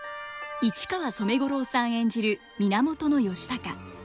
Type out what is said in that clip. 市川染五郎さん演じる源義高。